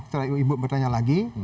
setelah ibu bertanya lagi